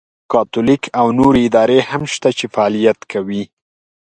کاتولیک او نورې ادارې هم شته چې فعالیت کوي.